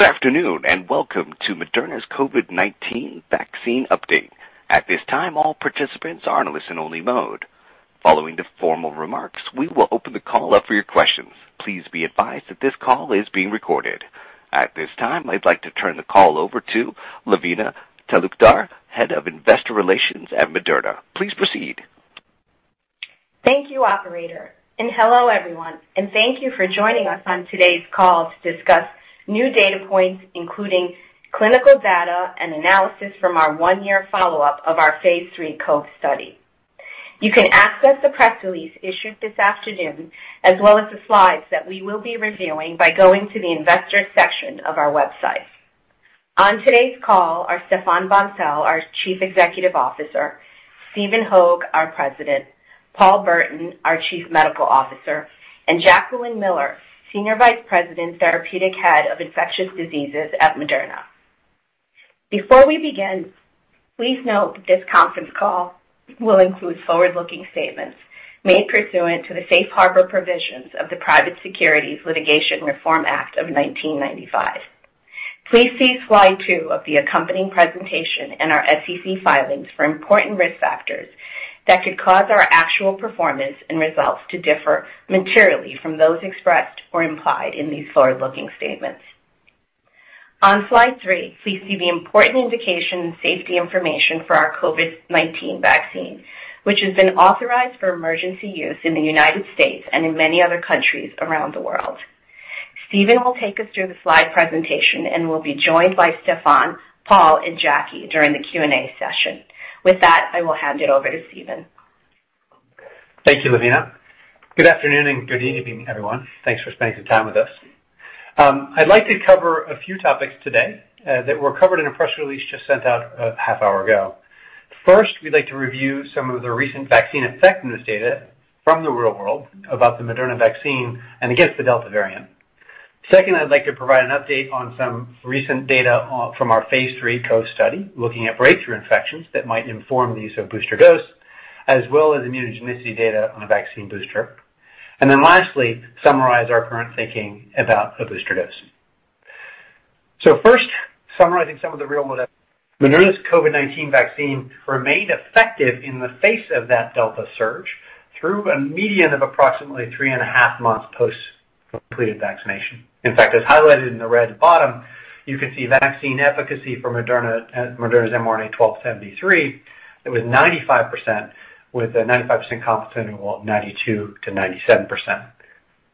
Good afternoon, welcome to Moderna's COVID-19 vaccine update. At this time, all participants are in listen only mode. Following the formal remarks, we will open the call up for your questions. Please be advised that this call is being recorded. At this time, I'd like to turn the call over to Lavina Talukdar, Head of Investor Relations at Moderna. Please proceed. Thank you, operator. Hello everyone, and thank you for joining us on today's call to discuss new data points, including clinical data and analysis from our one-year follow-up of our phase III COVE study. You can access the press release issued this afternoon, as well as the slides that we will be reviewing by going to the investor section of our website. On today's call are Stéphane Bancel, our Chief Executive Officer, Stephen Hoge, our President, Paul Burton, our Chief Medical Officer, and Jacqueline Miller, Senior Vice President, Therapeutic Head of Infectious Diseases at Moderna. Before we begin, please note that this conference call will include forward-looking statements made pursuant to the Safe Harbor provisions of the Private Securities Litigation Reform Act of 1995. Please see slide two of the accompanying presentation in our Securities and Exchange Commission filings for important risk factors that could cause our actual performance and results to differ materially from those expressed or implied in these forward-looking statements. On slide three, please see the important indication and safety information for our COVID-19 vaccine, which has been authorized for emergency use in the U.S. and in many other countries around the world. Stephen will take us through the slide presentation, and will be joined by Stéphane, Paul, and Jackie during the Q&A session. With that, I will hand it over to Stephen Hoge. Thank you, Lavina. Good afternoon and good evening, everyone. Thanks for spending some time with us. I'd like to cover a few topics today that were covered in a press release just sent out a half hour ago. First, we'd like to review some of the recent vaccine effectiveness data from the real world about the Moderna vaccine and against the Delta variant. Second, I'd like to provide an update on some recent data from our phase III COVE study, looking at breakthrough infections that might inform the use of booster dose, as well as immunogenicity data on a vaccine booster, and then lastly, summarize our current thinking about a booster dose. First, summarizing some of the real world evidence. Moderna's COVID-19 vaccine remained effective in the face of that Delta surge through a median of approximately three and a half months post completed vaccination. In fact, as highlighted in the red at the bottom, you can see vaccine efficacy for Moderna's mRNA-1273. It was 95%, with a 95% confidence interval of 92%-97%.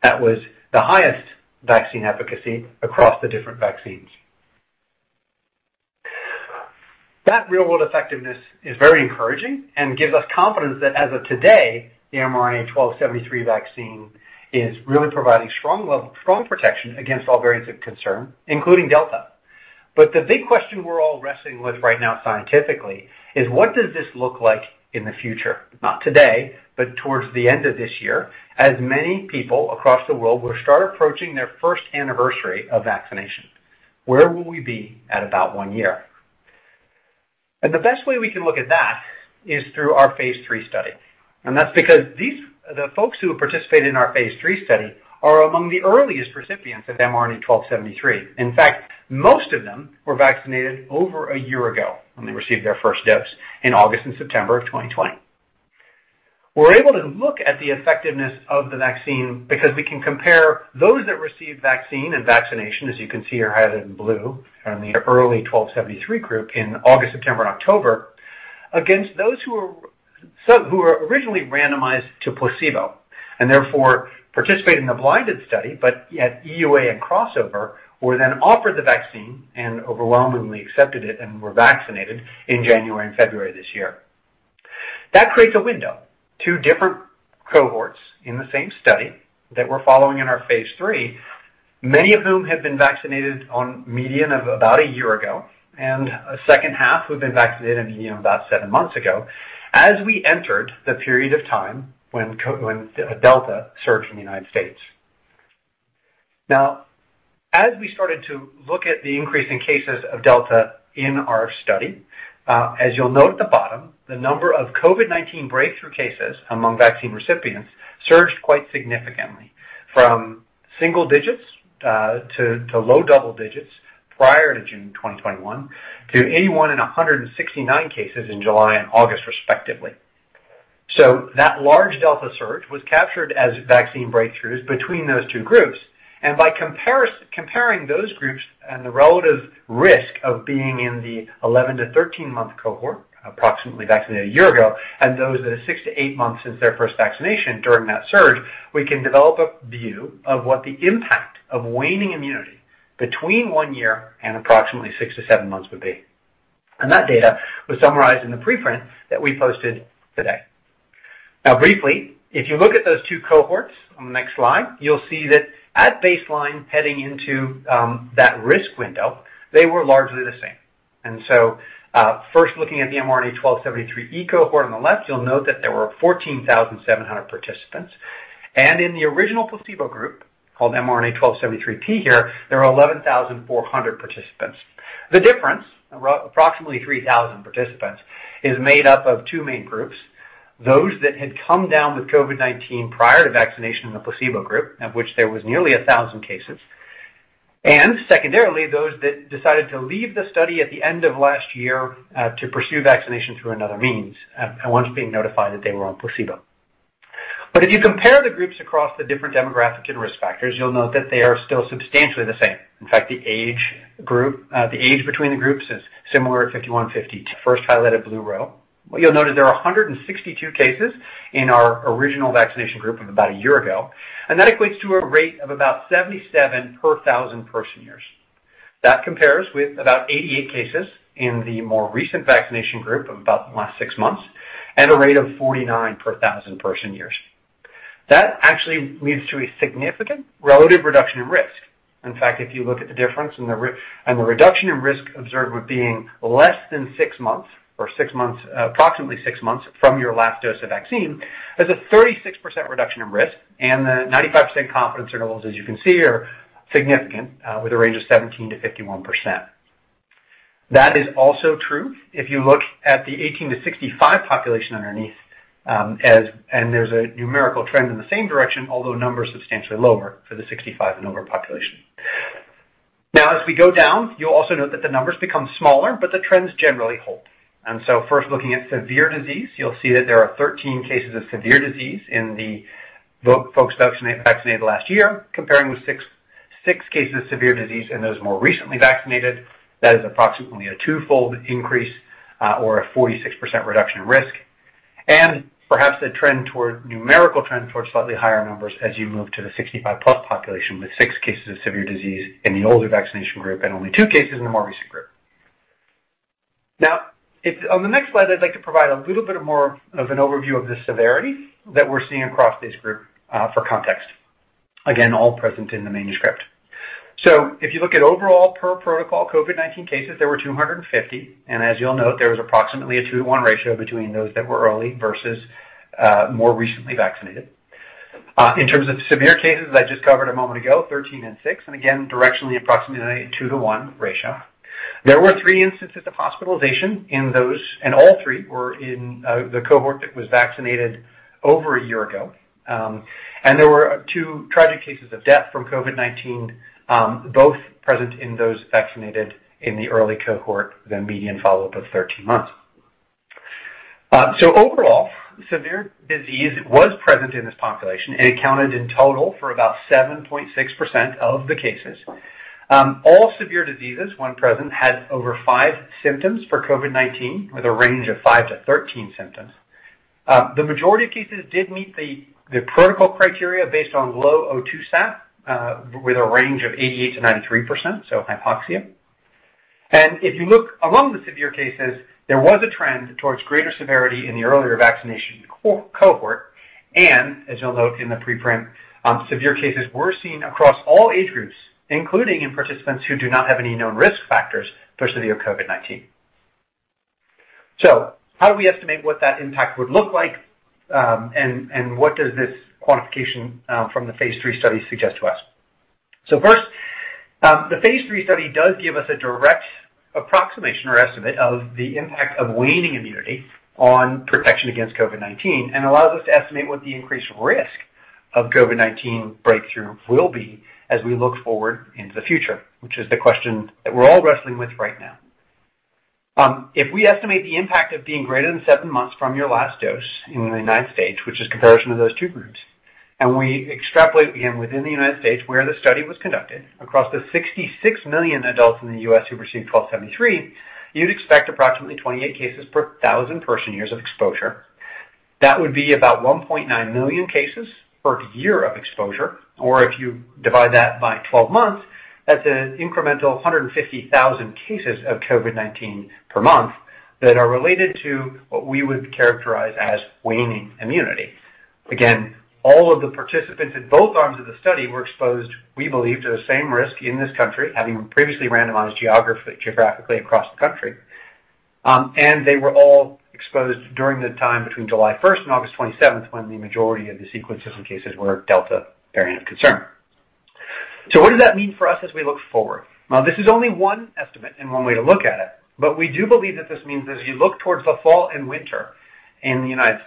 That was the highest vaccine efficacy across the different vaccines. That real-world effectiveness is very encouraging and gives us confidence that as of today, the mRNA-1273 vaccine is really providing strong protection against all variants of concern, including Delta. The big question we're all wrestling with right now scientifically is what does this look like in the future? Not today, but towards the end of this year, as many people across the world will start approaching their first anniversary of vaccination. Where will we be at about one year? The best way we can look at that is through our phase III study. That's because the folks who participated in our phase III study are among the earliest recipients of mRNA-1273. In fact, most of them were vaccinated over a year ago when they received their first dose in August and September of 2020. We're able to look at the effectiveness of the vaccine because we can compare those that received vaccine and vaccination, as you can see are highlighted in blue, are in the early 1273 group in August, September and October, against those who were originally randomized to placebo, and therefore participated in the blinded study, but at Emergency Use Authorization and crossover, were then offered the vaccine and overwhelmingly accepted it, and were vaccinated in January and February of this year. That creates a window. Two different cohorts in the same study that we're following in our phase III, many of whom have been vaccinated on median of about a year ago, and a second half who've been vaccinated a median of about seven months ago, as we entered the period of time when Delta surged in the U.S. As we started to look at the increase in cases of Delta in our study, as you'll note at the bottom, the number of COVID-19 breakthrough cases among vaccine recipients surged quite significantly from single digits to low double digits prior to June 2021, to 81 and 169 cases in July and August respectively. That large Delta surge was captured as vaccine breakthroughs between those two groups, and by comparing those groups and the relative risk of being in the 11-13 month cohort, approximately vaccinated one year ago, and those that are six to eight months since their first vaccination during that surge, we can develop a view of what the impact of waning immunity between one year and approximately six to seven months would be. That data was summarized in the preprint that we posted today. Briefly, if you look at those two cohorts on the next slide, you'll see that at baseline heading into that risk window, they were largely the same. First looking at the mRNA-1273E cohort on the left, you'll note that there were 14,700 participants, and in the original placebo group called mRNA-1273T here, there are 11,400 participants. The difference, approximately 3,000 participants, is made up of two main groups, those that had come down with COVID-19 prior to vaccination in the placebo group, of which there was nearly 1,000 cases. Secondarily, those that decided to leave the study at the end of last year, to pursue vaccination through another means, once being notified that they were on placebo. If you compare the groups across the different demographic and risk factors, you'll note that they are still substantially the same. In fact, the age between the groups is similar at 51, 52. First highlighted blue row. What you'll note is there are 162 cases in our original vaccination group of about a year ago, and that equates to a rate of about 77 per thousand person years. That compares with about 88 cases in the more recent vaccination group of about the last six months, at a rate of 49 per thousand person years. That actually leads to a significant relative reduction in risk. In fact, if you look at the difference and the reduction in risk observed with being less than 6 months or approximately six months from your last dose of vaccine, there's a 36% reduction in risk and the 95% confidence intervals, as you can see, are significant, with a range of 17%-51%. That is also true if you look at the 18-65 population underneath, and there's a numerical trend in the same direction, although numbers substantially lower for the 65 and older population. Now, as we go down, you'll also note that the numbers become smaller, but the trends generally hold. First looking at severe disease, you'll see that there are 13 cases of severe disease in the folks vaccinated last year, comparing with six cases of severe disease in those more recently vaccinated. That is approximately a twofold increase or a 46% reduction in risk. Perhaps a numerical trend towards slightly higher numbers as you move to the 65+ population with six cases of severe disease in the older vaccination group and only two cases in the more recent group. On the next slide, I'd like to provide a little bit more of an overview of the severity that we're seeing across this group, for context. Again, all present in the manuscript. If you look at overall per protocol COVID-19 cases, there were 250, and as you'll note, there was approximately a 2:1 ratio between those that were early versus more recently vaccinated. In terms of severe cases I just covered a moment ago, 13 and six, and again, directionally approximately a 2:1 ratio. There were three instances of hospitalization in those, and all three were in the cohort that was vaccinated over a year ago. There were two tragic cases of death from COVID-19, both present in those vaccinated in the early cohort with a median follow-up of 13 months. Overall, severe disease was present in this population, and it accounted in total for about 7.6% of the cases. All severe diseases, when present, had over five symptoms for COVID-19 with a range of 5-13 symptoms. The majority of cases did meet the protocol criteria based on low O2 sat, with a range of 88%-93%, so hypoxia. If you look among the severe cases, there was a trend towards greater severity in the earlier vaccination cohort. As you'll note in the pre-print, severe cases were seen across all age groups, including in participants who do not have any known risk factors for severe COVID-19. How do we estimate what that impact would look like? What does this quantification from the phase III study suggest to us? First, the phase III study does give us a direct approximation or estimate of the impact of waning immunity on protection against COVID-19 and allows us to estimate what the increased risk of COVID-19 breakthrough will be as we look forward into the future, which is the question that we're all wrestling with right now. If we estimate the impact of being greater than seven months from your last dose in the U.S., which is a comparison of those two groups, and we extrapolate again within the U.S. where the study was conducted across the 66 million adults in the U.S. who received 1273, you'd expect approximately 28 cases per 1,000 person years of exposure. That would be about 1.9 million cases per year of exposure. If you divide that by 12 months, that's an incremental 150,000 cases of COVID-19 per month that are related to what we would characterize as waning immunity. Again, all of the participants in both arms of the study were exposed, we believe, to the same risk in this country, having previously randomized geographically across the country. They were all exposed during the time between July 1st and August 27th when the majority of the sequences and cases were Delta variant of concern. What does that mean for us as we look forward? This is only one estimate and one way to look at it, but we do believe that this means as you look towards the fall and winter in the U.S.,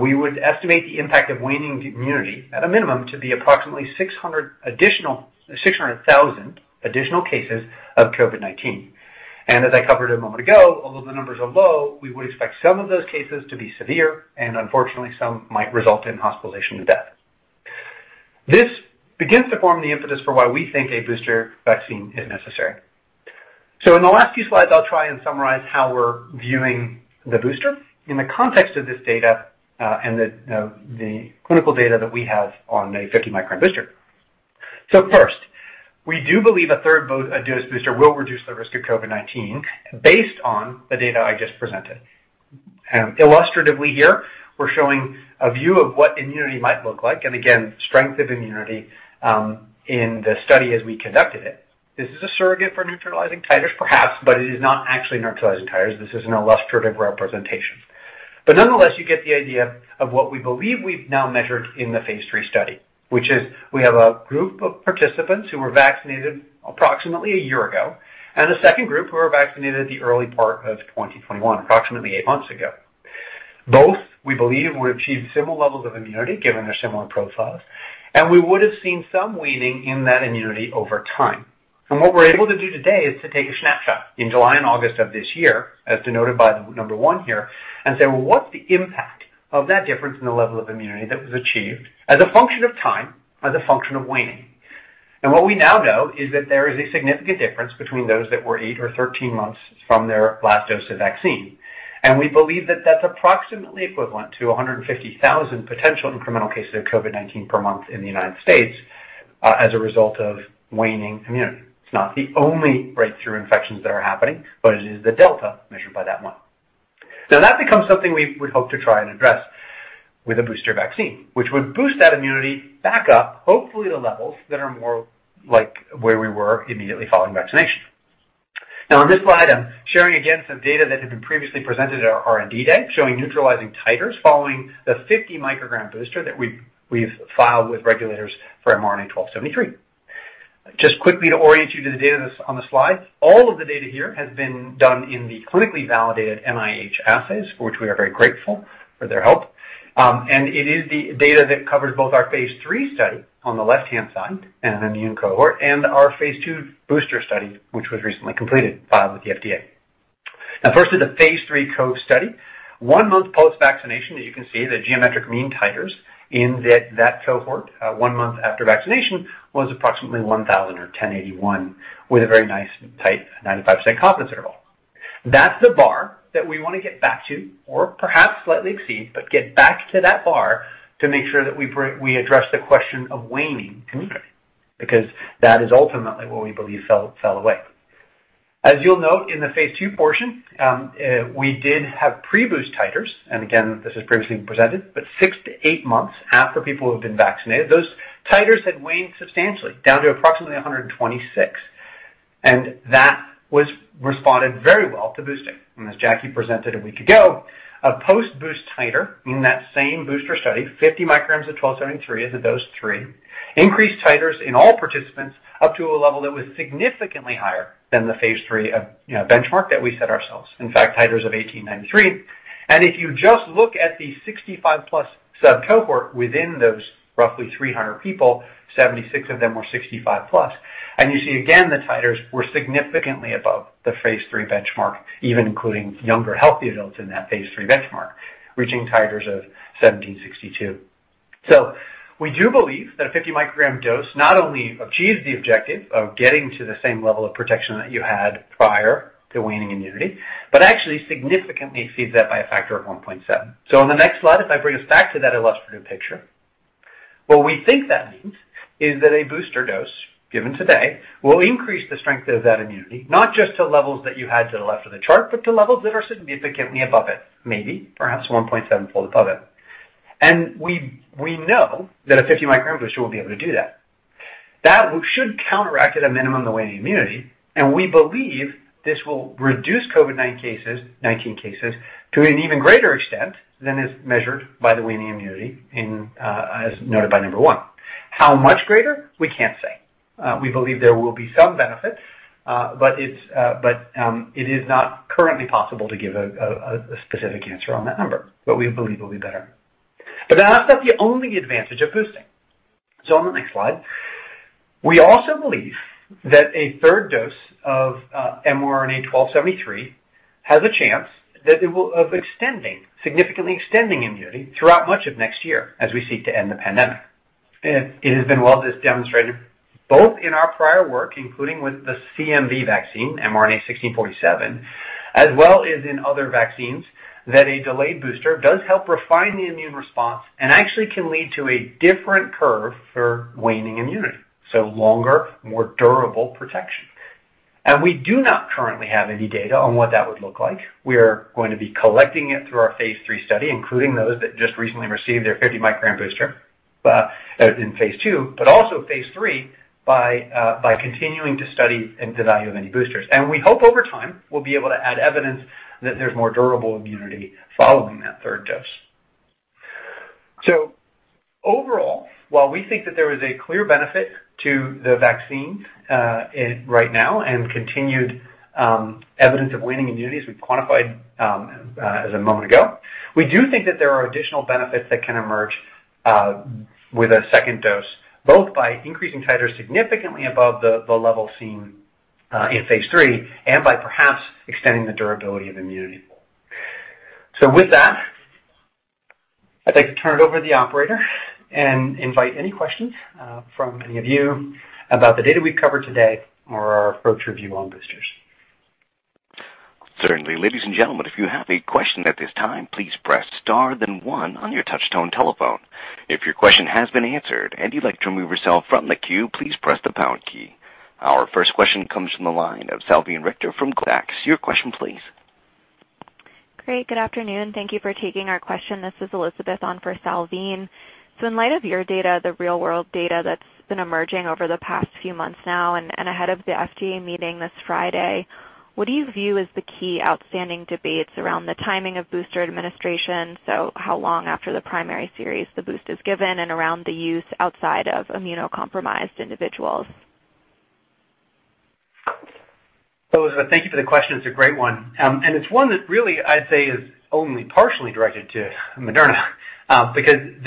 we would estimate the impact of waning immunity at a minimum to be approximately 600,000 additional cases of COVID-19. As I covered a moment ago, although the numbers are low, we would expect some of those cases to be severe, and unfortunately, some might result in hospitalization and death. This begins to form the impetus for why we think a booster vaccine is necessary. In the last few slides, I'll try and summarize how we're viewing the booster in the context of this data, and the clinical data that we have on the 50 mcg booster. First, we do believe a third dose booster will reduce the risk of COVID-19 based on the data I just presented. Illustratively here, we're showing a view of what immunity might look like, and again, strength of immunity in the study as we conducted it. Is this a surrogate for neutralizing titers? Perhaps, it is not actually neutralizing titers. Nonetheless, you get the idea of what we believe we've now measured in the phase III study, which is we have a group of participants who were vaccinated approximately a year ago, and a second group who were vaccinated at the early part of 2021, approximately eight months ago. Both, we believe, would achieve similar levels of immunity given their similar profiles, and we would've seen some waning in that immunity over time. And what we're able to do today is to take a snapshot in July and August of this year, as denoted by the number one here, and say, well, what's the impact of that difference in the level of immunity that was achieved as a function of time, as a function of waning? What we now know is that there is a significant difference between those that were eight or 13 months from their last dose of vaccine. We believe that that's approximately equivalent to 150,000 potential incremental cases of COVID-19 per month in the U.S. as a result of waning immunity. It's not the only breakthrough infections that are happening, but it is the Delta measured by that month. That becomes something we would hope to try and address with a booster vaccine, which would boost that immunity back up, hopefully to levels that are more like where we were immediately following vaccination. On this slide, I'm sharing again some data that had been previously presented at our R&D Day, showing neutralizing titers following the 50 mcg booster that we've filed with regulators for mRNA-1273. Just quickly to orient you to the data that's on the slide, all of the data here has been done in the clinically validated National Institutes of Health assays, for which we are very grateful for their help. It is the data that covers both our phase III study on the left-hand side in an immune cohort, and our phase II booster study, which was recently completed, filed with the Food and Drug Administration. First is the phase III COVE study. One month post-vaccination, as you can see, the geometric mean titers in that cohort one month after vaccination was approximately 1,000 or 1,081 with a very nice tight 95% confidence interval. That's the bar that we want to get back to, or perhaps slightly exceed, but get back to that bar to make sure that we address the question of waning immunity, because that is ultimately what we believe fell away. As you'll note in the phase II portion, we did have pre-boost titers. Again, this was previously presented, but six to eight months after people who have been vaccinated, those titers had waned substantially, down to approximately 126. That responded very well to boosting. As Jackie presented a week ago, a post-boost titer in that same booster study, 50 mcg of 1273 as a dose three, increased titers in all participants up to a level that was significantly higher than the phase III benchmark that we set ourselves. In fact, titers of 1,893. If you just look at the 65+ subcohort within those roughly 300 people, 76 of them were 65+. You see again, the titers were significantly above the phase III benchmark, even including younger healthy adults in that phase III benchmark, reaching titers of 1,762. We do believe that a 50 mcg dose not only achieves the objective of getting to the same level of protection that you had prior to waning immunity, but actually significantly exceeds that by a factor of 1.7. On the next slide, if I bring us back to that illustrative picture, what we think that means is that a booster dose given today will increase the strength of that immunity, not just to levels that you had to the left of the chart, but to levels that are significantly above it, maybe perhaps 1.7-fold above it. We know that a 50 mcg booster will be able to do that. That should counteract at a minimum the waning immunity, and we believe this will reduce COVID-19 cases to an even greater extent than is measured by the waning immunity as noted by number one. How much greater? We can't say. We believe there will be some benefit, but it is not currently possible to give a specific answer on that number, but we believe it'll be better. That's not the only advantage of boosting. On the next slide, we also believe that a third dose of mRNA-1273 has a chance of significantly extending immunity throughout much of next year as we seek to end the pandemic. It has been well just demonstrated, both in our prior work, including with the cytomegalovirus vaccine, mRNA-1647, as well as in other vaccines, that a delayed booster does help refine the immune response and actually can lead to a different curve for waning immunity, so longer, more durable protection. We do not currently have any data on what that would look like. We're going to be collecting it through our phase III study, including those that just recently received their 50 mcg booster in phase II, but also phase III by continuing to study the value of any boosters. We hope over time we'll be able to add evidence that there's more durable immunity following that third dose. Overall, while we think that there is a clear benefit to the vaccine right now, and continued evidence of waning immunity as we've quantified as of a moment ago, we do think that there are additional benefits that can emerge with a second dose, both by increasing titers significantly above the level seen in phase III and by perhaps extending the durability of immunity. With that, I'd like to turn it over to the operator and invite any questions from any of you about the data we've covered today or our approach review on boosters. Certainly. Ladies and gentlemen, if you have a question at this time, please press star then one on your touchtone telephone. If your question has been answered and you'd like to remove yourself from the queue, please press the pound key. Our first question comes from the line of Salveen Richter from Goldman Sachs. Your question please. Great. Good afternoon. Thank you for taking our question. This is Elizabeth on for Salveen. In light of your data, the real-world data that's been emerging over the past few months now, and ahead of the FDA meeting this Friday, what do you view as the key outstanding debates around the timing of booster administration, so how long after the primary series the boost is given, and around the use outside of immunocompromised individuals? Thank you for the question. It's a great one. It's one that really, I'd say, is only partially directed to Moderna, because at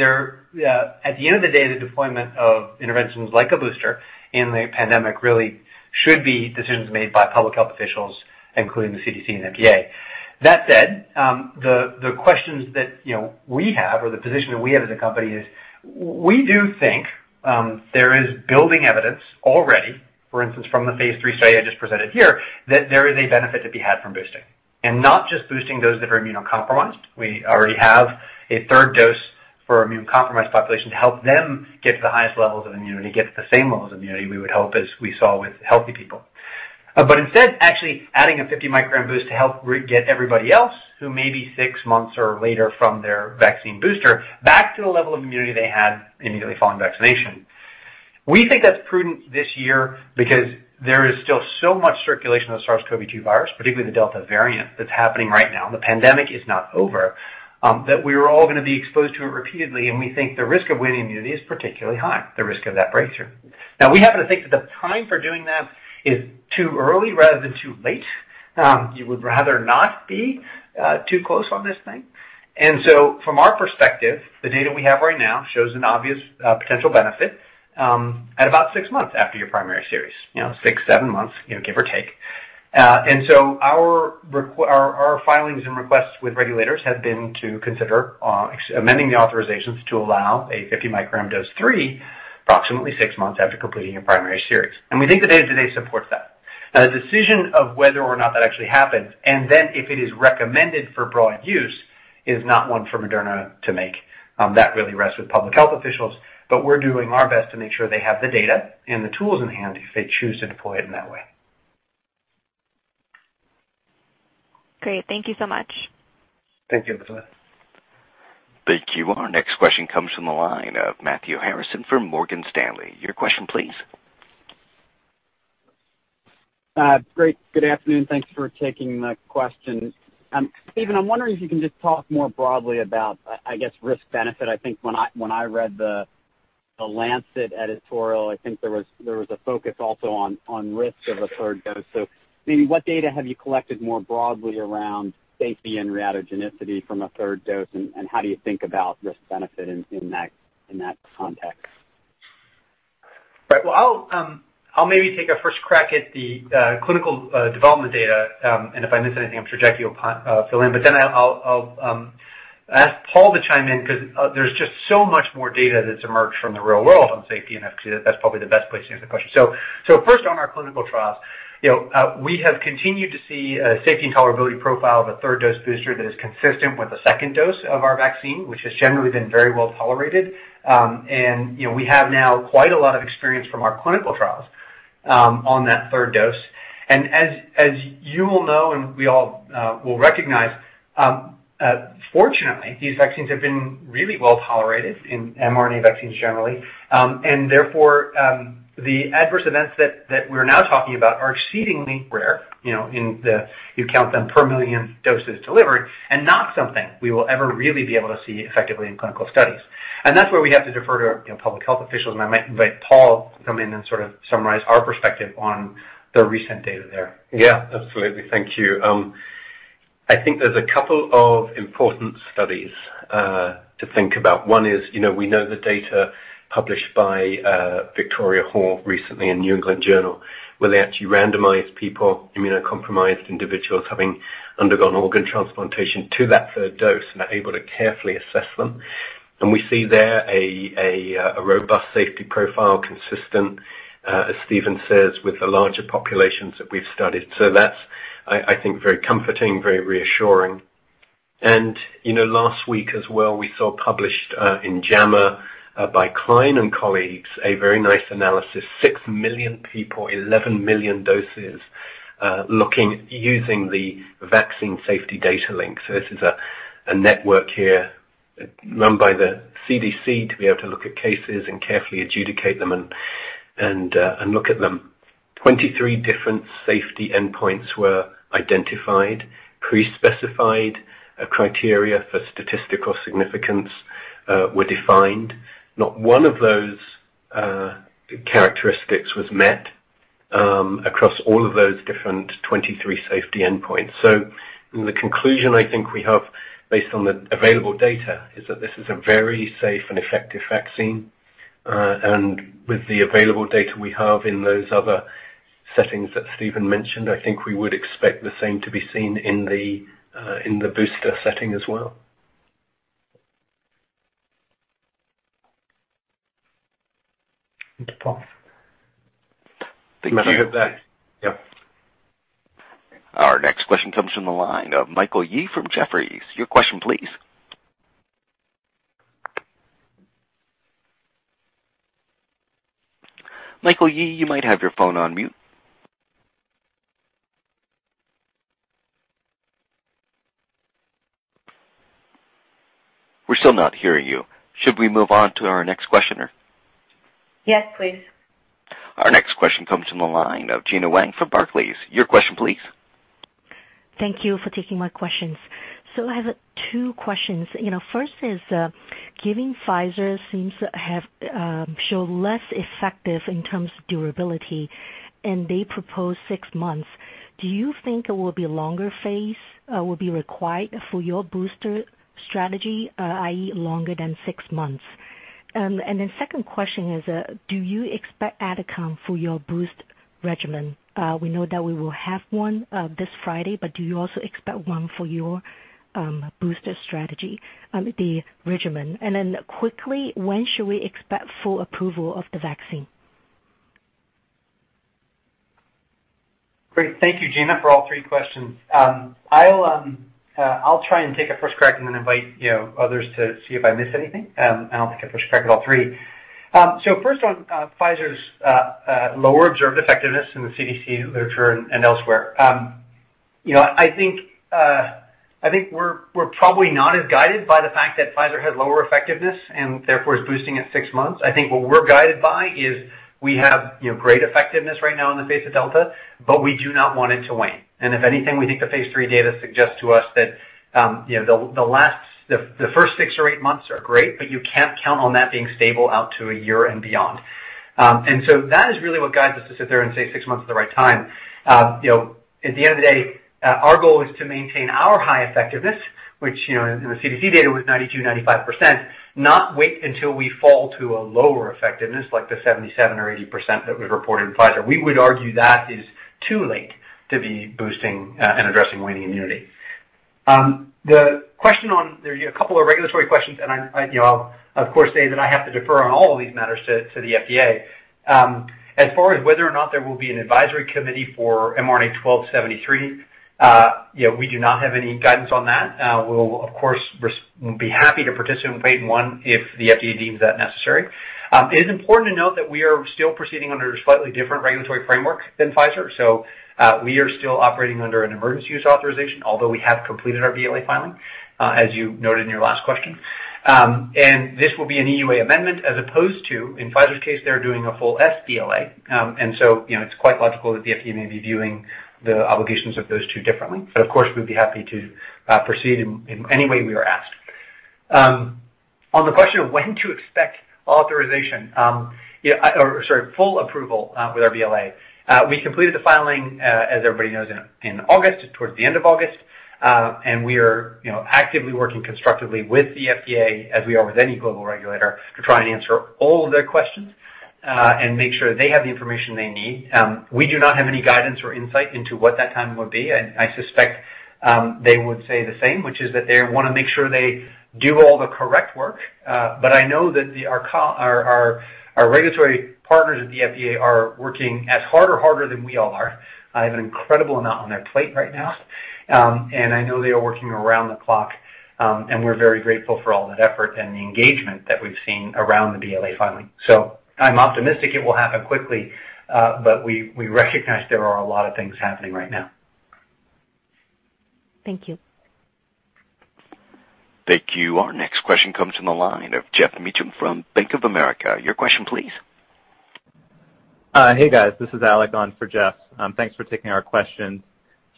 the end of the day, the deployment of interventions like a booster in the pandemic really should be decisions made by public health officials, including the Centers for Disease Control and Prevention and FDA. That said, the questions that we have or the position that we have as a company is we do think there is building evidence already, for instance, from the phase III study I just presented here, that there is a benefit to be had from boosting. Not just boosting those that are immunocompromised. We already have a third dose for immunocompromised population to help them get to the highest levels of immunity, get to the same levels of immunity we would hope as we saw with healthy people. Instead, actually adding a 50 mcg boost to help get everybody else who may be six months or later from their vaccine booster back to the level of immunity they had immediately following vaccination. We think that's prudent this year because there is still so much circulation of the SARS-CoV-2 virus, particularly the Delta variant that's happening right now, the pandemic is not over, that we are all going to be exposed to it repeatedly, and we think the risk of waning immunity is particularly high, the risk of that breakthrough. We happen to think that the time for doing that is too early rather than too late. You would rather not be too close on this thing. From our perspective, the data we have right now shows an obvious potential benefit at about six months after your primary series. Six, seven months, give or take. Our filings and requests with regulators have been to consider amending the authorizations to allow a 50 mcg dose three approximately six months after completing your primary series. We think the data today supports that. The decision of whether or not that actually happens, and then if it is recommended for broad use, is not one for Moderna to make. That really rests with public health officials. We're doing our best to make sure they have the data and the tools in hand if they choose to deploy it in that way. Great. Thank you so much. Thank you, Elizabeth. Thank you. Our next question comes from the line of Matthew Harrison from Morgan Stanley. Your question, please. Great. Good afternoon. Thanks for taking the question. Stephen, I'm wondering if you can just talk more broadly about, I guess, risk benefit. I think when I read The Lancet editorial, I think there was a focus also on risk of a third dose. Maybe what data have you collected more broadly around safety and reactogenicity from a third dose, and how do you think about risk benefit in that context? Right. Well, I'll maybe take a first crack at the clinical development data. If I miss anything, I'm sure Jackie will fill in, but then I'll ask Paul to chime in because there's just so much more data that's emerged from the real world on safety, and that's probably the best place to answer the question. First on our clinical trials, we have continued to see a safety and tolerability profile of a third-dose booster that is consistent with the second dose of our vaccine, which has generally been very well tolerated. We have now quite a lot of experience from our clinical trials on that third dose. As you all know and we all will recognize, fortunately, these vaccines have been really well tolerated in mRNA vaccines generally. Therefore, the adverse events that we're now talking about are exceedingly rare, you count them per million doses delivered, and not something we will ever really be able to see effectively in clinical studies. That's where we have to defer to public health officials, and I might invite Paul to come in and sort of summarize our perspective on the recent data there. Yeah, absolutely. Thank you. I think there's a couple of important studies to think about. One is, we know the data published by [Victoria Horn] recently in New England Journal, where they actually randomized people, immunocompromised individuals having undergone organ transplantation to that third dose and are able to carefully assess them. We see there a robust safety profile consistent, as Stephen says, with the larger populations that we've studied. That's, I think, very comforting, very reassuring. Last week as well, we saw published in JAMA by Klein and colleagues, a very nice analysis, 6 million people, 11 million doses, looking using the Vaccine Safety Datalink. This is a network here run by the CDC to be able to look at cases and carefully adjudicate them and look at them. 23 different safety endpoints were identified. Pre-specified criteria for statistical significance were defined. Not one of those characteristics was met across all of those different 23 safety endpoints. The conclusion I think we have based on the available data is that this is a very safe and effective vaccine. With the available data we have in those other settings that Stephen mentioned, I think we would expect the same to be seen in the booster setting as well. Thank you, Paul. You heard that? Yeah. Our next question comes from the line of Michael Yee from Jefferies. Your question, please. Michael Yee, you might have your phone on mute. We're still not hearing you. Should we move on to our next questioner? Yes, please. Our next question comes from the line of Gena Wang from Barclays. Your question please. Thank you for taking my questions. I have two questions. First is, given Pfizer seems to show less effective in terms of durability, and they propose six months, do you think a will be longer phase will be required for your booster strategy, i.e., longer than six months? The second question is, do you expect adcom for your boost regimen? We know that we will have one this Friday, do you also expect one for your booster strategy, the regimen? Quickly, when should we expect full approval of the vaccine? Great. Thank you, Gena Wang, for all three questions. I'll try and take a 1st crack and then invite others to see if I missed anything. I don't think I first cracked all three. First on Pfizer's lower observed effectiveness in the CDC literature and elsewhere. I think we're probably not as guided by the fact that Pfizer has lower effectiveness and therefore is boosting at six months. I think what we're guided by is we have great effectiveness right now in the face of Delta, but we do not want it to wane. If anything, we think the phase III data suggests to us that the first six or eight months are great, but you can't count on that being stable out to one year and beyond. That is really what guides us to sit there and say six months is the right time. At the end of the day, our goal is to maintain our high effectiveness, which, in the CDC data was 92%, 95%, not wait until we fall to a lower effectiveness like the 77% or 80% that was reported in Pfizer. We would argue that is too late to be boosting, and addressing waning immunity. There are a couple of regulatory questions and I'll of course say that I have to defer on all of these matters to the FDA. As far as whether or not there will be an advisory committee for mRNA-1273, we do not have any guidance on that. We'll, of course, be happy to participate in phase I if the FDA deems that necessary. It is important to note that we are still proceeding under a slightly different regulatory framework than Pfizer, so we are still operating under an emergency use authorization, although we have completed our Biologics License Application filing, as you noted in your last question. This will be an EUA amendment as opposed to, in Pfizer's case, they're doing a full sBLA. It's quite logical that the FDA may be viewing the obligations of those two differently. Of course, we'd be happy to proceed in any way we are asked. On the question of when to expect authorization, or sorry, full approval, with our BLA. We completed the filing, as everybody knows, in August, towards the end of August. We are actively working constructively with the FDA as we are with any global regulator to try and answer all of their questions, and make sure they have the information they need. We do not have any guidance or insight into what that timing would be. I suspect, they would say the same, which is that they want to make sure they do all the correct work. I know that our regulatory partners at the FDA are working as hard or harder than we all are, have an incredible amount on their plate right now. I know they are working around the clock, and we're very grateful for all that effort and the engagement that we've seen around the BLA filing. I'm optimistic it will happen quickly. We recognize there are a lot of things happening right now. Thank you. Thank you. Our next question comes from the line of Geoff Meacham from Bank of America. Your question please. Hey, guys. This is Alec on for Geoff. Thanks for taking our questions.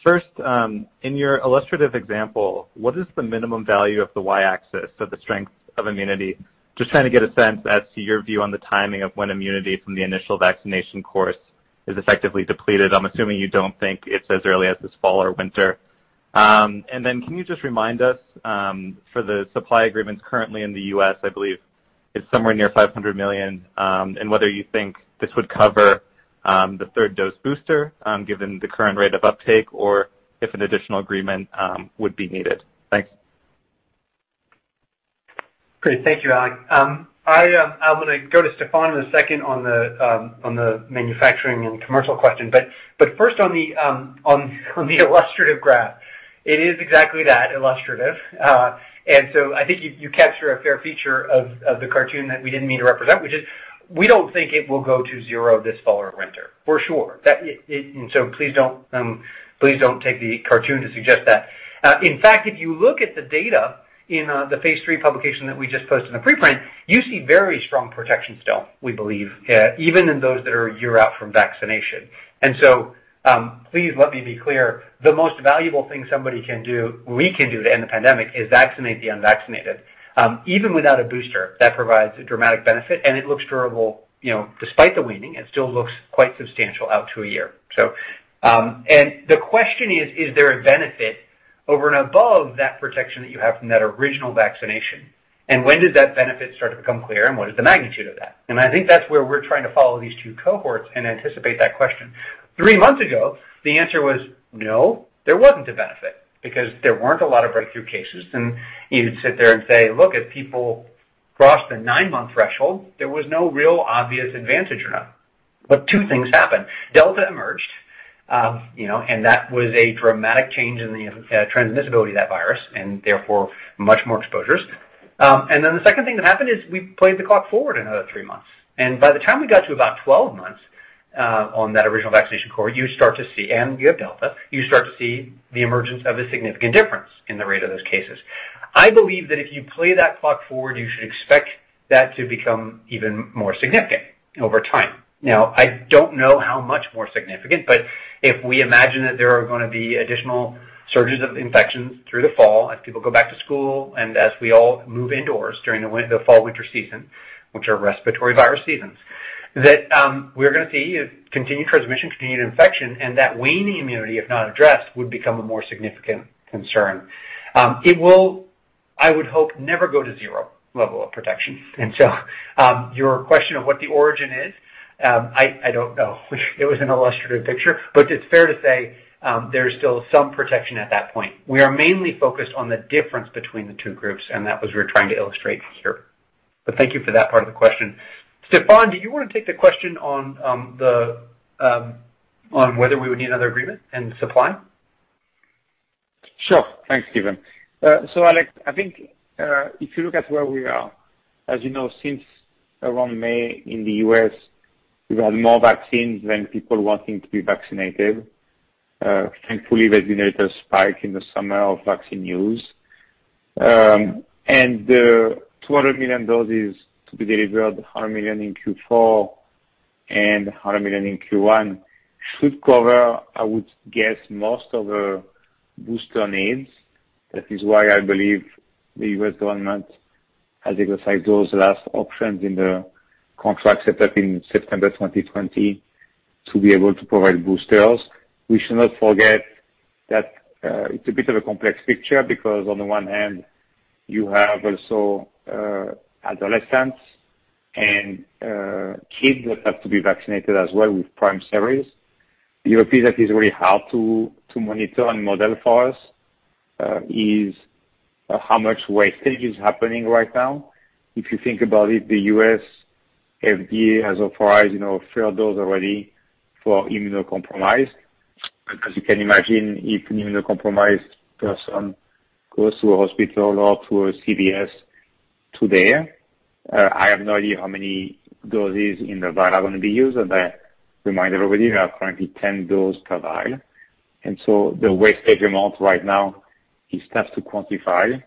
First, in your illustrative example, what is the minimum value of the y-axis of the strength of immunity? Trying to get a sense as to your view on the timing of when immunity from the initial vaccination course is effectively depleted. I'm assuming you don't think it's as early as this fall or winter. Can you just remind us, for the supply agreements currently in the U.S., I believe it's somewhere near $500 million, and whether you think this would cover the third dose booster, given the current rate of uptake or if an additional agreement would be needed. Thanks. Great. Thank you, Alec. I'm going to go to Stéphane in a second on the manufacturing and commercial question. First on the illustrative graph. It is exactly that, illustrative. I think you capture a fair feature of the cartoon that we didn't mean to represent, which is we don't think it will go to zero this fall or winter for sure. Please don't take the cartoon to suggest that. In fact, if you look at the data in the phase III publication that we just posted in the preprint, you see very strong protection still, we believe, even in those that are a year out from vaccination. Please let me be clear. The most valuable thing somebody can do, we can do to end the pandemic is vaccinate the unvaccinated. Even without a booster, that provides a dramatic benefit, and it looks durable despite the waning. It still looks quite substantial out to a year. The question is there a benefit over and above that protection that you have from that original vaccination, and when did that benefit start to become clear, and what is the magnitude of that? I think that's where we're trying to follow these two cohorts and anticipate that question. Theee months ago, the answer was no, there wasn't a benefit because there weren't a lot of breakthrough cases. You'd sit there and say, look, if people crossed the nine-month threshold, there was no real obvious advantage or not. Two things happened. Delta emerged, and that was a dramatic change in the transmissibility of that virus, and therefore, much more exposures. The second thing that happened is we played the clock forward another three months, by the time we got to about 12 months on that original vaccination cohort, and you have Delta, you start to see the emergence of a significant difference in the rate of those cases. I believe that if you play that clock forward, you should expect that to become even more significant over time. Now, I don't know how much more significant, but if we imagine that there are going to be additional surges of infections through the fall as people go back to school and as we all move indoors during the fall-winter season, which are respiratory virus seasons, that we're going to see continued transmission, continued infection, and that waning immunity, if not addressed, would become a more significant concern. It will, I would hope, never go to zero level of protection. Your question of what the origin is, I don't know. It was an illustrative picture, but it's fair to say there's still some protection at that point. We are mainly focused on the difference between the two groups, and that was we're trying to illustrate here. Thank you for that part of the question. Stéphane, do you want to take the question on whether we would need another agreement and supply? Thanks, Stephen. Alec, I think if you look at where we are, as you know, since around May in the U.S., we've had more vaccines than people wanting to be vaccinated. Thankfully, there's been a little spike in the summer of vaccine use. The 200 million doses to be delivered, 100 million in Q4 and 100 million in Q1, should cover, I would guess, most of the booster needs. That is why I believe the U.S. government has exercised those last options in the contract set up in September 2020 to be able to provide boosters. We should not forget that it's a bit of a complex picture because on the one hand, you have also adolescents and kids that have to be vaccinated as well with prime series. You repeat that is really hard to monitor and model for us, is how much wastage is happening right now. If you think about it, the U.S. FDA has authorized third dose already for immunocompromised. As you can imagine, if an immunocompromised person goes to a hospital or to a CVS today, I have no idea how many doses in the vial are going to be used. I remind everybody we have currently 10 doses per vial. The wastage amount right now is tough to quantify.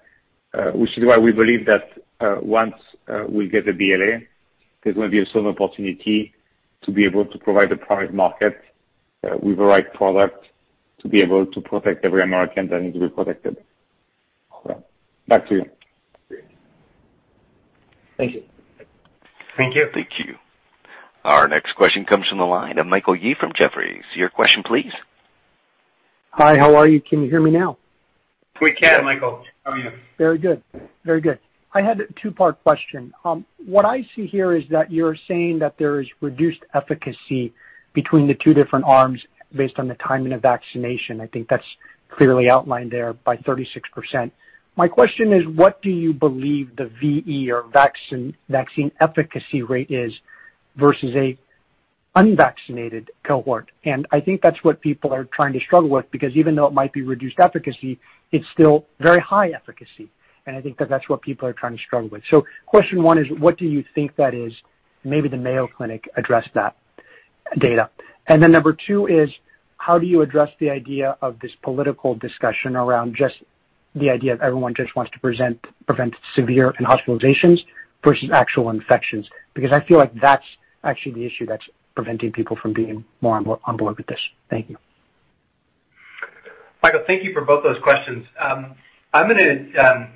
Which is why we believe that once we get the BLA, there's going to be a sort of opportunity to be able to provide the private market with the right product to be able to protect every American that needs to be protected. Back to you. Great. Thank you. Thank you. Thank you. Our next question comes from the line of Michael Yee from Jefferies. Your question, please. Hi, how are you? Can you hear me now? We can, Michael. How are you? Very good. I had a two-part question. What I see here is that you're saying that there is reduced efficacy between the two different arms based on the timing of vaccination. I think that's clearly outlined there by 36%. My question is, what do you believe the VE or vaccine efficacy rate is versus a unvaccinated cohort? I think that's what people are trying to struggle with, because even though it might be reduced efficacy, it's still very high efficacy. I think that's what people are trying to struggle with. Question one is, what do you think that is? Maybe the Mayo Clinic addressed that data. Number two is, how do you address the idea of this political discussion around just the idea of everyone just wants to prevent severe and hospitalizations versus actual infections? I feel like that's actually the issue that's preventing people from being more on board with this. Thank you. Michael, thank you for both those questions. I'm going to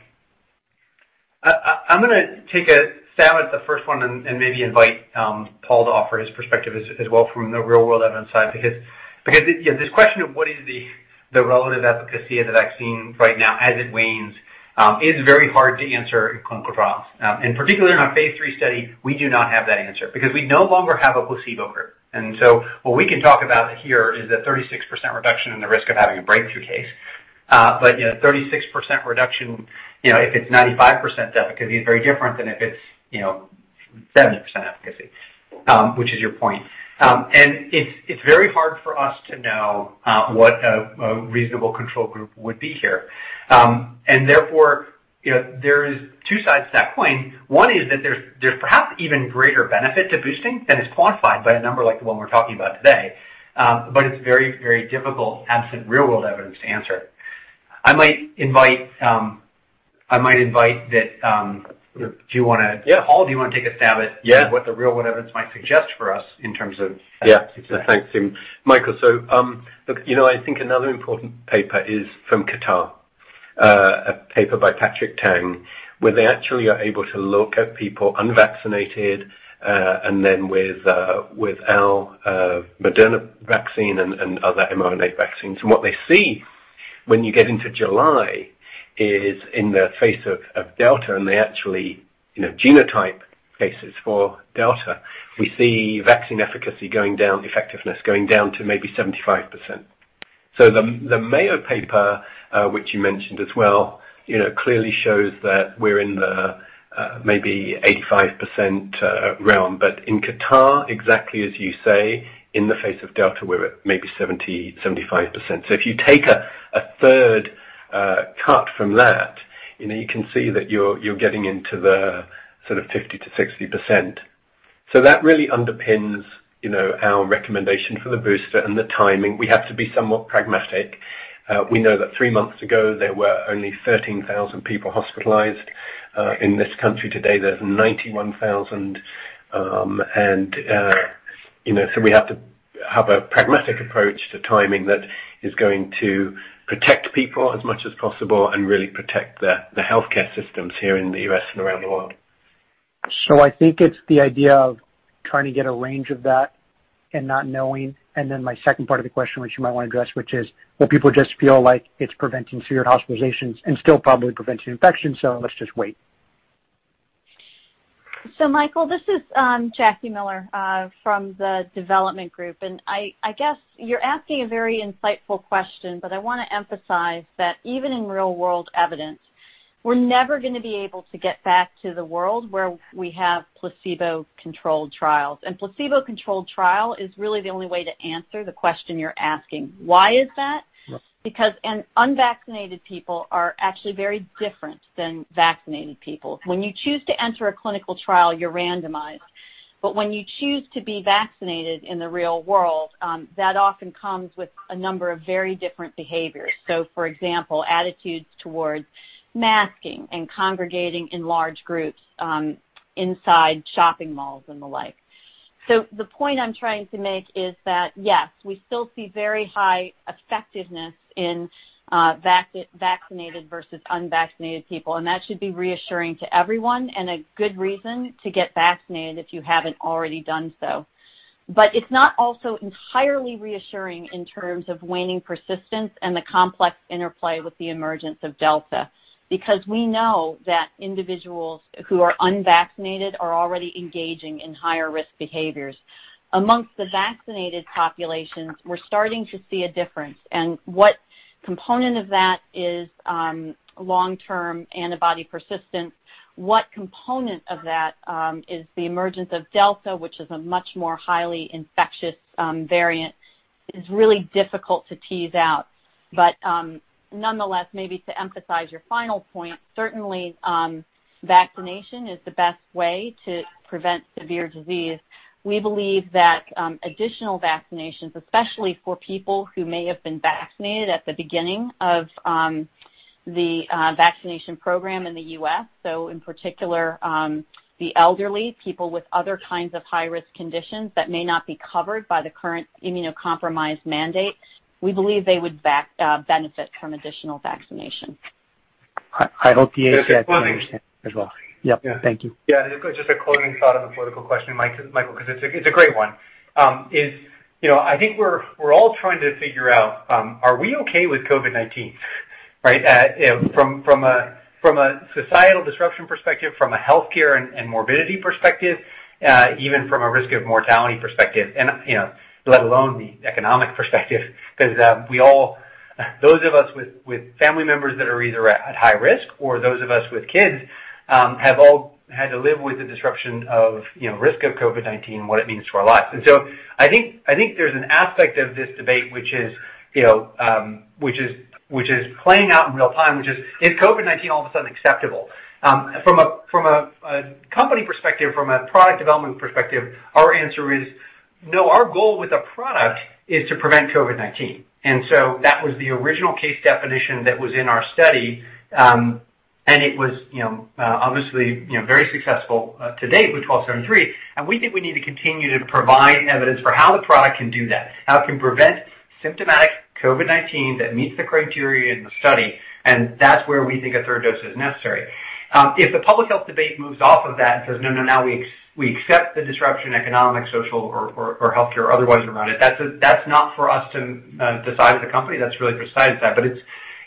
take a stab at the first one and maybe invite Paul to offer his perspective as well from the real-world evidence side. Because this question of what is the relative efficacy of the vaccine right now as it wanes is very hard to answer in clinical trials. In particular, in our phase III study, we do not have that answer because we no longer have a placebo group. So what we can talk about here is a 36% reduction in the risk of having a breakthrough case. 36% reduction, if it's 95% efficacy is very different than if it's 70% efficacy, which is your point. It's very hard for us to know what a reasonable control group would be here. Therefore, there's two sides to that coin. One is that there's perhaps even greater benefit to boosting than is quantified by a number like the one we're talking about today. It's very, very difficult, absent real-world evidence, to answer. I might invite, do you want to. Yeah. Paul, do you want to take a stab at? Yeah. What the real-world evidence might suggest for us in terms of efficacy? Yeah. Thanks, Stephen. Michael, look, I think another important paper is from Qatar, a paper by Patrick Tang, where they actually are able to look at people unvaccinated, and then with our Moderna vaccine and other mRNA vaccines. What they see when you get into July is in the face of Delta, and they actually genotype cases for Delta, we see vaccine efficacy going down, effectiveness going down to maybe 75%. The Mayo Clinic paper, which you mentioned as well, clearly shows that we're in the maybe 85% realm. In Qatar, exactly as you say, in the face of Delta, we're at maybe 70%-75%. If you take a third cut from that. You can see that you're getting into the 50%-60%. That really underpins our recommendation for the booster and the timing. We have to be somewhat pragmatic. We know that three months ago, there were only 13,000 people hospitalized. In this country today, there's 91,000. We have to have a pragmatic approach to timing that is going to protect people as much as possible and really protect the healthcare systems here in the U.S. and around the world. I think it's the idea of trying to get a range of that and not knowing. My second part of the question, which you might want to address, which is, will people just feel like it's preventing severe hospitalizations and still probably preventing infection, so let's just wait? Michael, this is Jacqueline Miller from the development group, and I guess you're asking a very insightful question, but I want to emphasize that even in real-world evidence, we're never going to be able to get back to the world where we have placebo-controlled trials. Placebo-controlled trial is really the only way to answer the question you're asking. Why is that? Because unvaccinated people are actually very different than vaccinated people. When you choose to enter a clinical trial, you're randomized. When you choose to be vaccinated in the real world, that often comes with a number of very different behaviors. For example, attitudes towards masking and congregating in large groups inside shopping malls and the like. The point I'm trying to make is that, yes, we still see very high effectiveness in vaccinated versus unvaccinated people, and that should be reassuring to everyone and a good reason to get vaccinated if you haven't already done so. It's not also entirely reassuring in terms of waning persistence and the complex interplay with the emergence of Delta, because we know that individuals who are unvaccinated are already engaging in higher risk behaviors. Amongst the vaccinated populations, we're starting to see a difference. What component of that is long-term antibody persistence, what component of that is the emergence of Delta, which is a much more highly infectious variant, is really difficult to tease out. Nonetheless, maybe to emphasize your final point, certainly vaccination is the best way to prevent severe disease. We believe that additional vaccinations, especially for people who may have been vaccinated at the beginning of the vaccination program in the U.S., so in particular, the elderly, people with other kinds of high-risk conditions that may not be covered by the current immunocompromised mandate, we believe they would benefit from additional vaccination. I hope the Advisory Committee on Immunization Practices can understand as well. Yep. Thank you. Yeah. Just a closing thought on the political question, Michael, because it's a great one. I think we're all trying to figure out, are we okay with COVID-19? Right? From a societal disruption perspective, from a healthcare and morbidity perspective, even from a risk of mortality perspective, and let alone the economic perspective, because those of us with family members that are either at high risk or those of us with kids, have all had to live with the disruption of risk of COVID-19, what it means to our lives. I think there's an aspect of this debate which is playing out in real time, which is COVID-19 all of a sudden acceptable? From a company perspective, from a product development perspective, our answer is no. Our goal with a product is to prevent COVID-19. That was the original case definition that was in our study, and it was obviously very successful to date with mRNA-1273. We think we need to continue to provide evidence for how the product can do that, how it can prevent symptomatic COVID-19 that meets the criteria in the study, and that's where we think a third dose is necessary. If the public health debate moves off of that and says, "No, now we accept the disruption, economic, social, or healthcare otherwise around it," that's not for us to decide as a company. That's really for society to decide.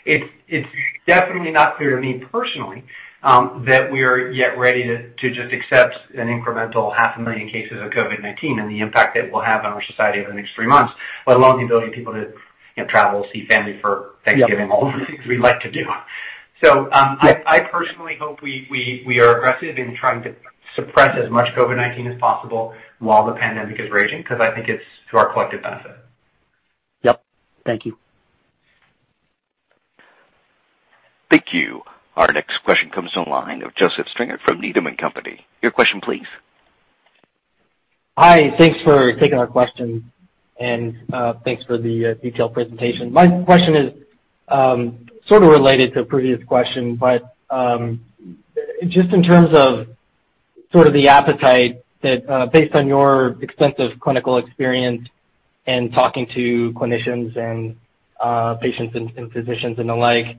It's definitely not clear to me personally that we are yet ready to just accept an incremental half a million cases of COVID-19 and the impact it will have on our society over the next three months, let alone the ability of people to travel, see family for Thanksgiving. Yep. All the things we like to do. Yep. I personally hope we are aggressive in trying to suppress as much COVID-19 as possible while the pandemic is raging, because I think it's to our collective benefit. Yep. Thank you. Thank you. Our next question comes on the line of Joseph Stringer from Needham & Company. Your question, please. Hi. Thanks for taking our question and thanks for the detailed presentation. My question is sort of related to a previous question, just in terms of sort of the appetite that based on your extensive clinical experience and talking to clinicians and patients and physicians and the like,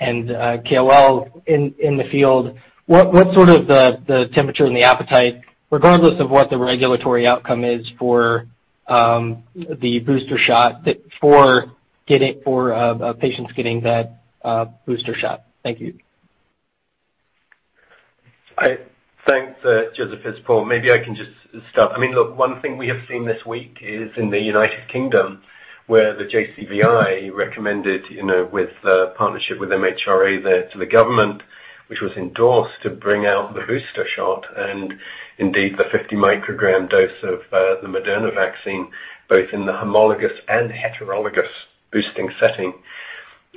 and Key Opinion Leader in the field, what's sort of the temperature and the appetite, regardless of what the regulatory outcome is for the booster shot for patients getting that booster shot? Thank you. Thanks, Joseph. It's Paul. Maybe I can just start. Look, one thing we have seen this week is in the United Kingdom, where the Joint Committee on Vaccination and Immunisation recommended with a partnership with Medicines and Healthcare products Regulatory Agency there to the government, which was endorsed to bring out the booster shot, and indeed, the 50 mcg dose of the Moderna vaccine, both in the homologous and heterologous boosting setting.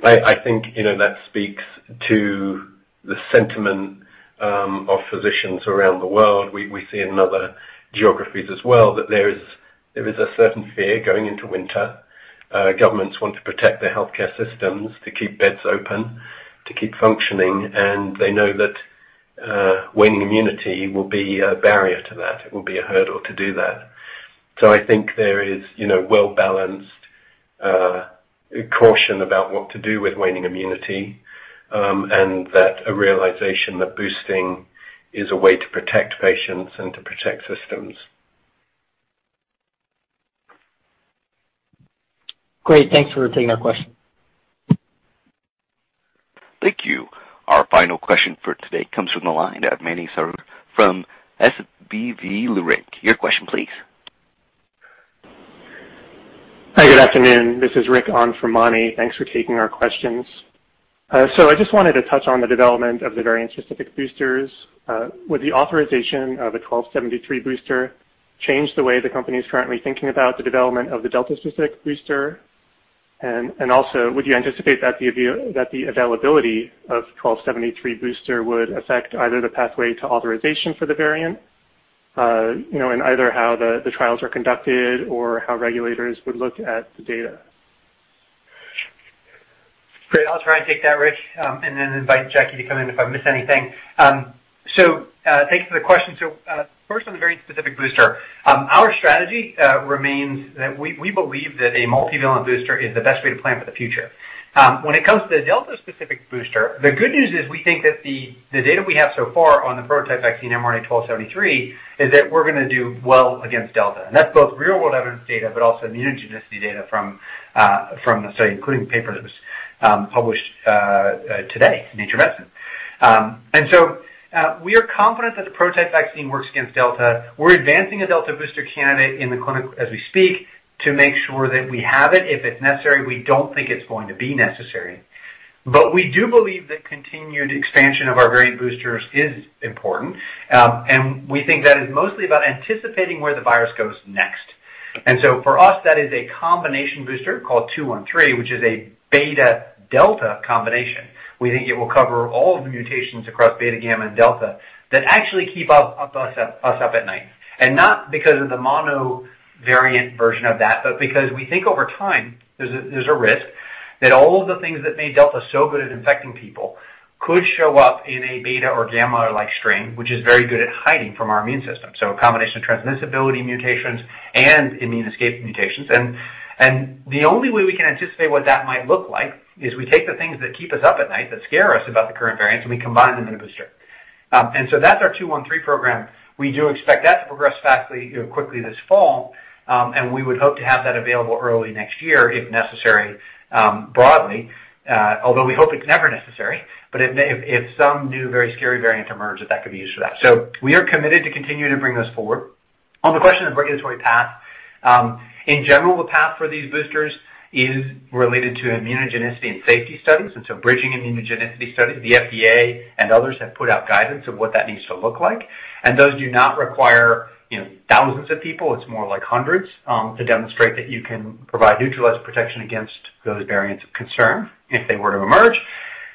I think that speaks to the sentiment of physicians around the world. We see in other geographies as well that there is a certain fear going into winter. Governments want to protect their healthcare systems, to keep beds open, to keep functioning, and they know that waning immunity will be a barrier to that. It will be a hurdle to do that. I think there is well-balanced caution about what to do with waning immunity, and that a realization that boosting is a way to protect patients and to protect systems. Great. Thanks for taking our question. Thank you. Our final question for today comes from the line of Mani Foroohar from Leerink Partners. Your question, please. Hi, good afternoon. This is Rick on for Mani. Thanks for taking our questions. I just wanted to touch on the development of the variant-specific boosters. Would the authorization of a 1273 booster change the way the company is currently thinking about the development of the Delta-specific booster? Would you anticipate that the availability of 1273 booster would affect either the pathway to authorization for the variant, in either how the trials are conducted or how regulators would look at the data? Great. I'll try and take that, Rick, and then invite Jackie to come in if I miss anything. Thanks for the question. First on the variant-specific booster. Our strategy remains that we believe that a multivalent booster is the best way to plan for the future. When it comes to the Delta-specific booster, the good news is we think that the data we have so far on the prototype vaccine mRNA-1273 is that we're going to do well against Delta. That's both real-world evidence data, but also immunogenicity data from the study, including the paper that was published today in "Nature Medicine." We are confident that the prototype vaccine works against Delta. We're advancing a Delta booster candidate in the clinic as we speak to make sure that we have it if it's necessary. We don't think it's going to be necessary. We do believe that continued expansion of our variant boosters is important, and we think that is mostly about anticipating where the virus goes next. For us, that is a combination booster called mRNA-1273.213, which is a Beta/Delta combination. We think it will cover all of the mutations across Beta, Gamma, and Delta that actually keep us up at night. Not because of the mono-variant version of that, but because we think over time, there's a risk that all of the things that made Delta so good at infecting people could show up in a Beta or Gamma-like strain, which is very good at hiding from our immune system. A combination of transmissibility mutations and immune escape mutations. The only way we can anticipate what that might look like is we take the things that keep us up at night, that scare us about the current variants, and we combine them in a booster. That's our mRNA-1273.213 program. We do expect that to progress quickly this fall, and we would hope to have that available early next year, if necessary, broadly. Although we hope it's never necessary. If some new, very scary variant emerges, that could be used for that. We are committed to continuing to bring those forward. On the question of regulatory path, in general, the path for these boosters is related to immunogenicity and safety studies, and so bridging immunogenicity studies. The FDA and others have put out guidance of what that needs to look like. Those do not require thousands of people. It's more like hundreds to demonstrate that you can provide neutralized protection against those variants of concern if they were to emerge.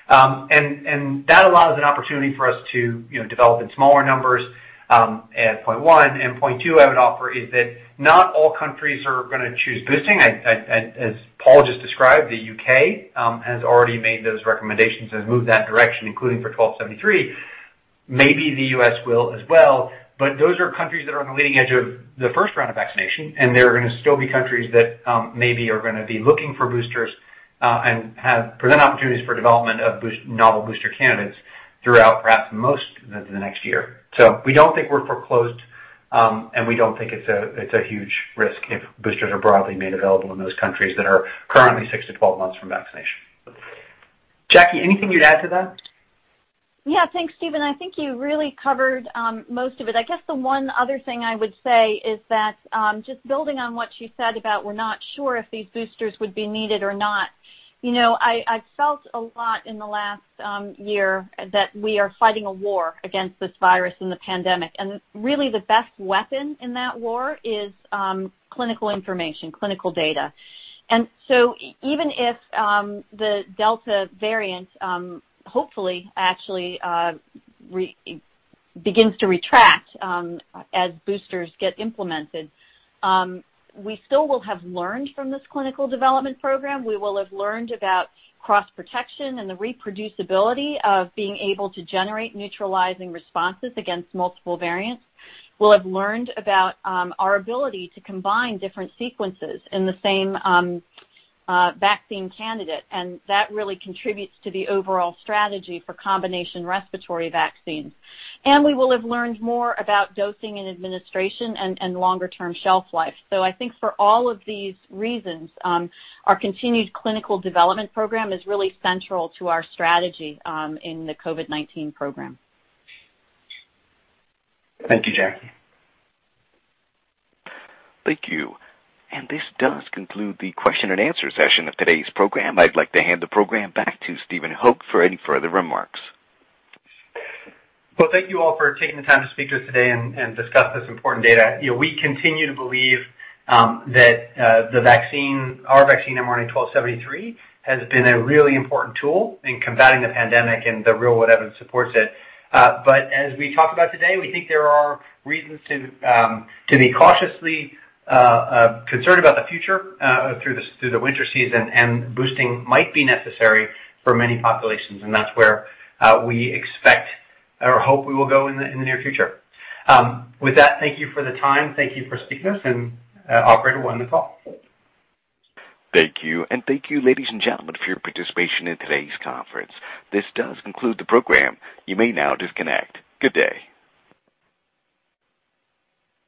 That allows an opportunity for us to develop in smaller numbers at point one, and point two I would offer is that not all countries are going to choose boosting. As Paul just described, the U.K. has already made those recommendations, has moved that direction, including for mRNA-1273. Maybe the U.S. will as well, but those are countries that are on the leading edge of the first round of vaccination, and there are going to still be countries that maybe are going to be looking for boosters and present opportunities for development of novel booster candidates throughout perhaps most of the next year. We don't think we're foreclosed, and we don't think it's a huge risk if boosters are broadly made available in those countries that are currently six to 12 months from vaccination. Jacqueline, anything you'd add to that? Yeah, thanks, Stephen. I think you really covered most of it. I guess the one other thing I would say is that, just building on what you said about we're not sure if these boosters would be needed or not. I've felt a lot in the last year that we are fighting a war against this virus and the pandemic. Really the best weapon in that war is clinical information, clinical data. Even if the Delta variant hopefully actually begins to retract as boosters get implemented, we still will have learned from this clinical development program. We will have learned about cross-protection and the reproducibility of being able to generate neutralizing responses against multiple variants. We'll have learned about our ability to combine different sequences in the same vaccine candidate, and that really contributes to the overall strategy for combination respiratory vaccines. We will have learned more about dosing and administration and longer-term shelf life. I think for all of these reasons, our continued clinical development program is really central to our strategy in the COVID-19 program. Thank you, Jackie. Thank you. This does conclude the question and answer session of today's program. I'd like to hand the program back to Stephen Hoge for any further remarks. Well, thank you all for taking the time to speak to us today and discuss this important data. We continue to believe that our vaccine, mRNA-1273, has been a really important tool in combating the pandemic and the real world evidence supports it. As we talked about today, we think there are reasons to be cautiously concerned about the future through the winter season, and boosting might be necessary for many populations, and that's where we expect or hope we will go in the near future. With that, thank you for the time, thank you for speaking with us, and operator, we'll end the call. Thank you. Thank you, ladies and gentlemen, for your participation in today's conference. This does conclude the program. You may now disconnect. Good day.